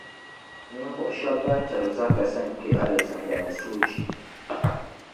Ninvuɣu shεba ban tiri zaka sa n kpε Alizanda ni soochi.